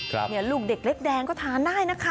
ลูกเด็กเล็กแดงก็ทานได้นะคะ